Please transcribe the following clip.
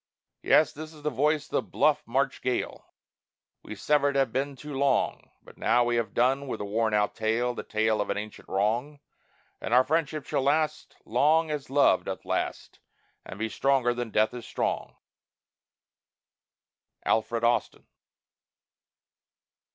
Yes, this is the voice on the bluff March gale, "We severed have been too long; But now we have done with a wornout tale, The tale of an ancient wrong, And our friendship shall last long as love doth last and be stronger than death is strong." ALFRED AUSTIN.